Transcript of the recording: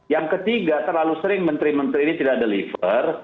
yang ketiga terlalu sering menteri menteri ini tidak deliver